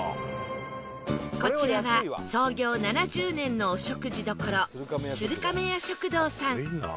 こちらは創業７０年のお食事どころ鶴亀屋食堂さん